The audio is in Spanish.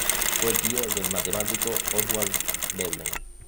Fue tío del matemático Oswald Veblen.